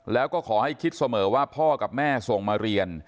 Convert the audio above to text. แล้วก็ขอให้คิดเสมอว่าพ่อกับแม่ส่งมาเรียน